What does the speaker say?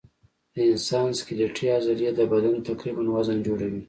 د انسان سکلیټي عضلې د بدن تقریباً وزن جوړوي.